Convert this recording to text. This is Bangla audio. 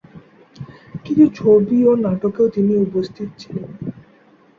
কিছু ছবি ও নাটকেও তিনি উপস্থিত ছিলেন।